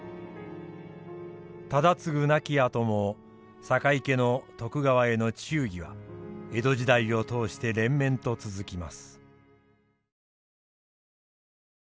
忠次亡きあとも酒井家の徳川への忠義は江戸時代を通して連綿と続きます。